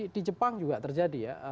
di jepang juga terjadi ya